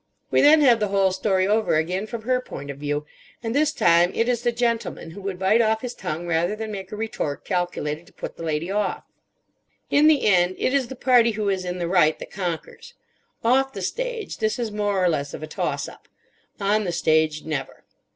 We then have the whole story over again from her point of view; and this time it is the gentleman who would bite off his tongue rather than make a retort calculated to put the lady off. In the end it is the party who is in the right that conquers. Off the stage this is more or less of a toss up; on the stage, never.